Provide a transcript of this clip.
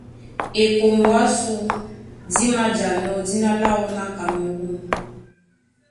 Ekombo ásū dí mājanɔ́ dína láō ná Kamerû.